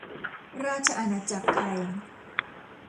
ราชอาณาจักรไทย